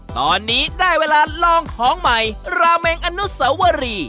ตอนนี้ได้เวลาลองของใหม่ราเมงอนุสวรี